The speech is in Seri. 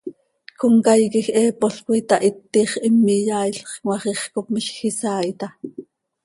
Comcaii quij heepol coi itahitix, him iyaailx, cmaax ix cop miizj isaai taa.